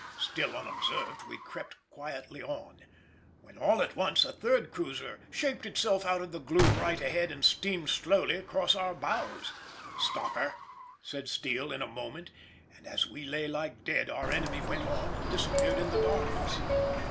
Still unobserved we crept quietly on, when all at once a third cruiser shaped herself out of the gloom right ahead and steaming slowly across our bows. "Stop her," said Steele in a moment, and as we lay like dead our enemy went on and disappeared in the darkness.